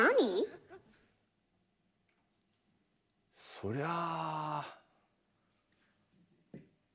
そりゃあ。